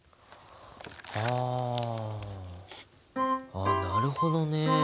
ああなるほどね。